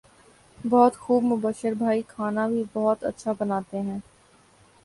بہت خوب مبشر بھائی کھانا بھی بہت اچھا بناتے ہیں